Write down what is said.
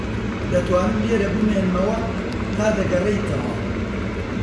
دەتوانم لێرە بمێنمەوە تا دەگەڕێیتەوە.